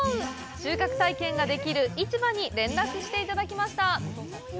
収穫体験ができる市場に連絡していただきました。